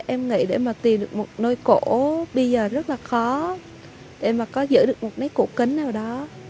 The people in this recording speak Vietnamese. em nghĩ để mà tìm được một nôi cổ bây giờ rất là khó để mà có giữ được một nét cổ kính nào đó